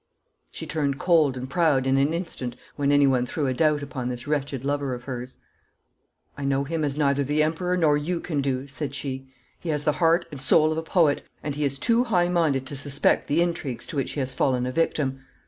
She turned cold and proud in an instant when anyone threw a doubt upon this wretched lover of hers. 'I know him as neither the Emperor nor you can do,' said she. 'He has the heart and soul of a poet, and he is too high minded to suspect the intrigues to which he has fallen a victim.